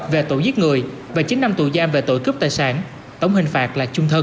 về tội giết người và chín năm tù giam về tội cướp tài sản tổng hình phạt là chung thân